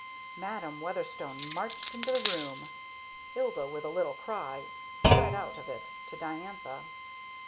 Madam Weatherstone marched into the room. Ilda, with a little cry, fled out of it to Diantha.